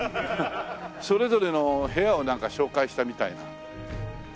それぞれの部屋をなんか紹介したみたいな。